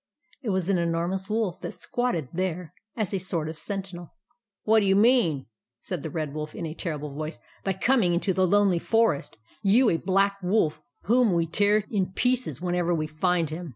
It was an enormous wolf that squatted there as a sort of sentinel. " What do you mean," said the Red Wolf, in a terrible voice, "by coming into the Lonely Forest, — you a Black Wolf, whom we tear in pieces whenever we find him